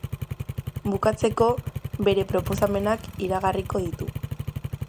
Bukatzeko, bere proposamenak iragarriko ditu.